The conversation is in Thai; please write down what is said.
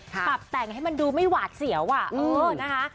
ปรับแต่งให้มันดูไม่หวาดเสียวอ่ะเออนะคะ